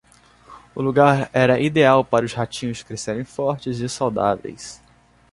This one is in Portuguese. O lugar era ideal para os ratinhos crescerem fortes e saudáveis.